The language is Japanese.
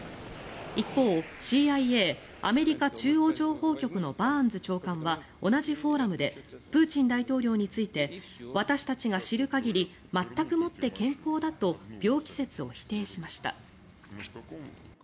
一方ＣＩＡ・アメリカ中央情報局のバーンズ長官は同じフォーラムでプーチン大統領について私たちが知る限り全くもって健康だと病気説を否定しました。